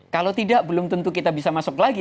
kalau tidak belum tentu kita bisa masuk lagi